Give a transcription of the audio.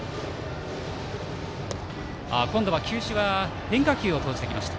今度は球種は変化球を投じてきました。